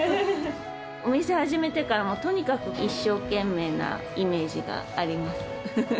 お店始めてから、もうとにかく一生懸命なイメージがあります。